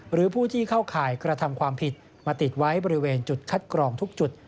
หรือผู้ที่เข้าข่ายกระทำความผิดมาติดไว้บริเวณจุดคัดกรองทุกจุด